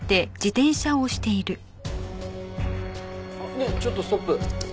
ねえちょっとストップ。